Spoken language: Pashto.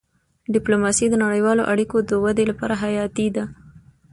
ډيپلوماسي د نړیوالو اړیکو د ودي لپاره حیاتي ده.